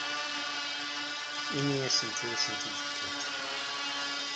Ini-asent ad asen-ten-id-fkent.